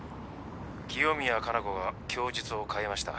清宮加奈子が供述を変えました。